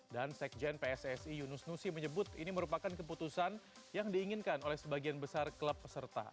dan sekjen pssi yunus nusi menyebut ini merupakan keputusan yang diinginkan oleh sebagian besar klub peserta